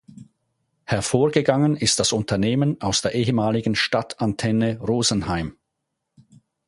Hervorgegangen ist das Unternehmen aus der ehemaligen "Stadtantenne Rosenheim".